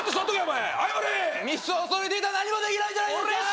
ミスを恐れていたら何もできないじゃないですか！